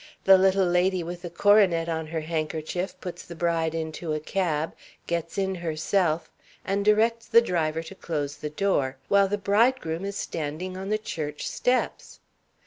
The little lady with the coronet on her handkerchief puts the bride into a cab, gets in herself, and directs the driver to close the door, while the bridegroom is standing on the church steps!